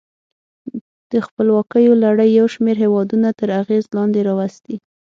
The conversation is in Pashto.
د خپلواکیو لړۍ یو شمیر هېودونه تر اغېز لاندې راوستي.